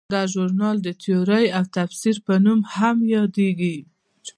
دا ژورنال د تیورۍ او تفسیر په نوم هم یادیږي.